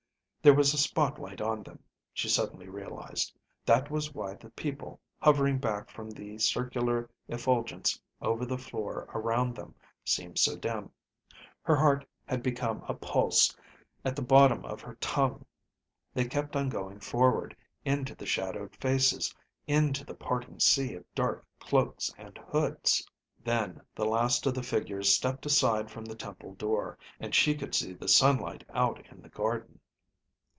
There was a spotlight on them, she suddenly realized. That was why the people, hovering back from the circular effulgence over the floor around them seemed so dim. Her heart had become a pulse at the bottom of her tongue. They kept on going forward, into the shadowed faces, into the parting sea of dark cloaks and hoods. Then the last of the figures stepped aside from the temple door, and she could see the sunlight out in the garden.